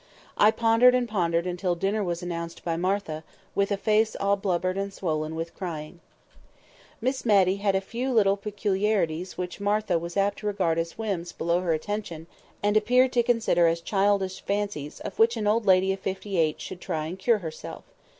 I pondered and pondered until dinner was announced by Martha, with a face all blubbered and swollen with crying. Miss Matty had a few little peculiarities which Martha was apt to regard as whims below her attention, and appeared to consider as childish fancies of which an old lady of fifty eight should try and cure herself.